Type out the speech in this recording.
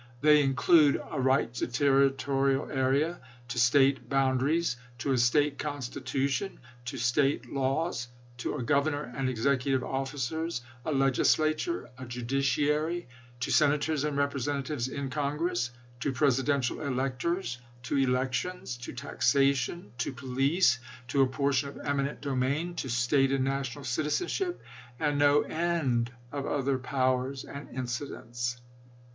They include : A right to territorial area, to State boundaries, to a State constitution, to State laws, to a governor and executive officers, a legislature, a judiciary, to senators and representatives in Congress, to Pres idential electors, to elections, to taxation, to police, to a portion of eminent domain, to State and na tional citizenship, and no end of other powers and incidents.